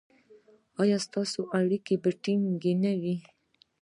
ایا ستاسو اړیکې به ټینګې نه وي؟